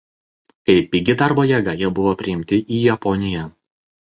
Kaip pigi darbo jėga jie buvo priimti į Japoniją.